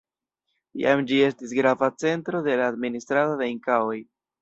Iam ĝi estis grava centro de la administrado de Inkaoj.